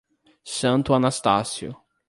Santo Anastácio